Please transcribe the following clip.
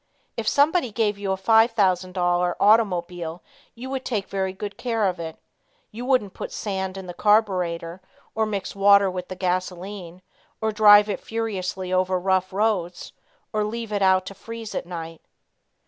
If somebody gave you a five thousand dollar automobile you would take very good care of it. You wouldn't put sand in the carburetor, or mix water with the gasoline, or drive it furiously over rough roads, or leave it out to freeze at night.